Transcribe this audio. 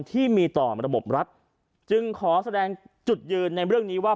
ที่มีต่อระบบรัฐจึงขอแสดงจุดยืนในเรื่องนี้ว่า